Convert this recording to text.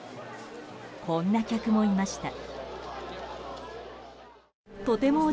こんな客もいました。